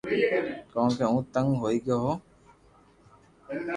ڪونڪ ھون تنگ ھوئي گيو ھون